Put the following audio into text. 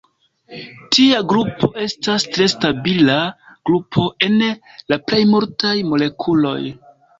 Tia grupo estas tre stabila grupo en la plej multaj molekuloj.